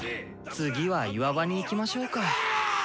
次は岩場に行きましょうか。